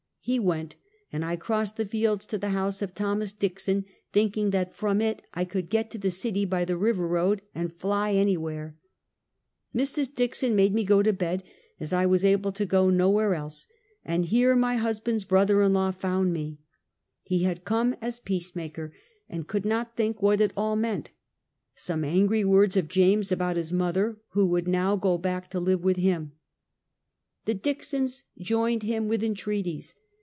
He went, and I crossed the fields to the house of Thomas Dickson, thinking that from it I could get to the city by the river road and fly any where. Mrs. Dickson made me go to bed, as I was able to go no where else, and here my husband's brother in law found me. He had come as peace maker, and could not think what it all meant; some angry words of James about his mother, who would now go back to live with him. The Dicksons joined him with entreat ies.